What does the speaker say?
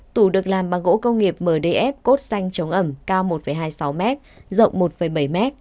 tủ được làm bằng gỗ công nghiệp mdf cốt xanh chống ẩm cao một hai mươi sáu m rộng một bảy m